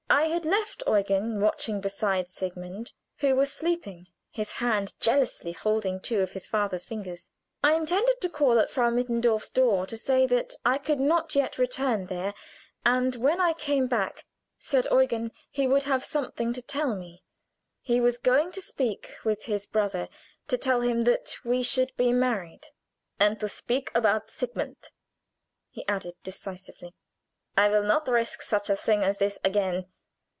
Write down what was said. I had left Eugen watching beside Sigmund, who was sleeping, his hand jealously holding two of his father's fingers. I intended to call at Frau Mittendorf's door to say that I could not yet return there, and when I came back, said Eugen, he would have something to tell me; he was going to speak with his brother to tell him that we should be married, "and to speak about Sigmund," he added, decisively. "I will not risk such a thing as this again.